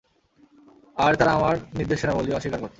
আর তারা আমার নিদর্শনাবলী অস্বীকার করত।